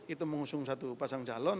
itu mengusung satu pasang calon